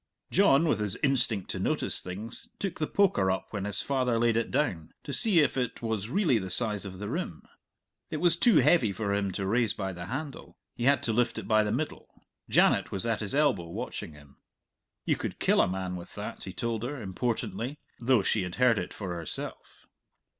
John, with his instinct to notice things, took the poker up when his father laid it down, to see if it was really the size of the rim. It was too heavy for him to raise by the handle; he had to lift it by the middle. Janet was at his elbow, watching him. "You could kill a man with that," he told her, importantly, though she had heard it for herself.